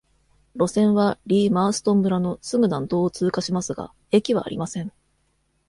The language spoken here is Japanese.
路線はリー・マーストン村のすぐ南東を通過しますが、駅はありません。